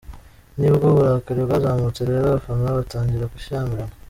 Nibwo uburakari bwazamutse rero abafana batangira gushyamirana.